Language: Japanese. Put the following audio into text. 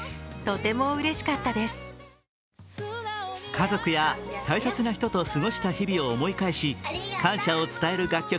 家族や大切な人と過ごした日々を思い返し感謝を伝える楽曲